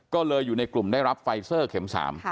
ก็เลยอยู่ในกลุ่มได้รับไฟเซอร์เข็ม๓